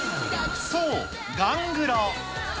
そう、ガングロ。